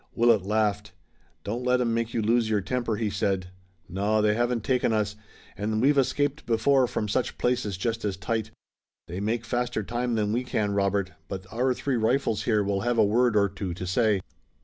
Willet laughed. "Don't let 'em make you lose your temper," he said. "No, they haven't taken us, and we've escaped before from such places just as tight. They make faster time than we can, Robert, but our three rifles here will have a word or two to say."